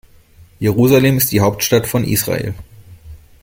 Jerusalem ist die Hauptstadt von Israel.